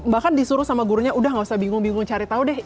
bahkan disuruh sama gurunya udah gak usah bingung bingung cari tahu deh